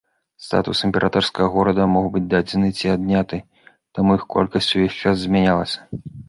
Статус імперскага горада мог быць дадзены ці адняты, таму іх колькасць увесь час змянялася.